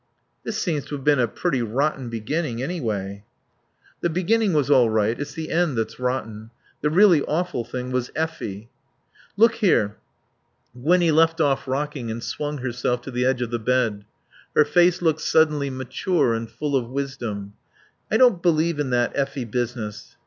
"This seems to have been a pretty rotten beginning, anyway." "The beginning was all right. It's the end that's rotten. The really awful thing was Effie." "Look here " Gwinnie left off rocking and swung herself to the edge of the bed. Her face looked suddenly mature and full of wisdom. "I don't believe in that Effie business.